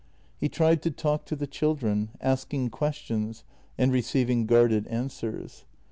He tried to talk to the children, ask ing questions and receiving guarded answers.